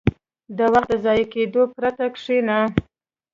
• د وخت د ضایع کېدو پرته کښېنه.